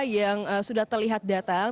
yang sudah terlihat datang